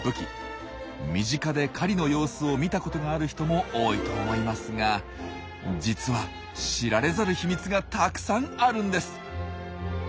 身近で狩りの様子を見たことがある人も多いと思いますが実は知られざる秘密がたくさんあるんです。